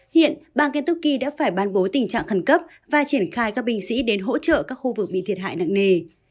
hiện bang kentuki đã phải ban bố tình trạng khẩn cấp và triển khai các binh sĩ đến hỗ trợ các khu vực bị thiệt hại nặng nề